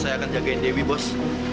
saya akan jagain dewi bos